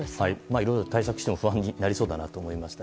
いろいろ対策しても不安になりそうだなと思いました。